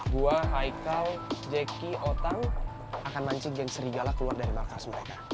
gua haikal jeki otang akan mancing jadi serigala keluar dari markas mereka